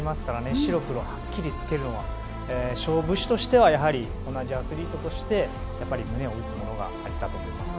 白黒はっきりつけるのは勝負師としてはやはり同じアスリートとしてやっぱり胸を打つものがあったと思います。